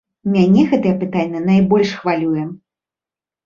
Мяне гэтае пытанне найбольш хвалюе!